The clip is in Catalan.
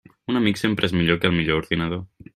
Un amic sempre és millor que el millor ordinador.